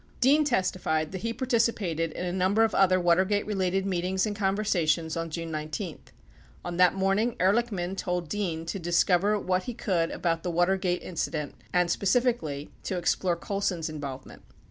86 Dean testified that he participated in a number of other Watergate related meetings and conversations on June 19. On that morning, Ehr lichman told Dean to discover what he could about the W atergate in cident and, specifically, to explore Colson's involvement.